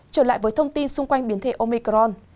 trở lại với thông tin xung quanh biến thể omicron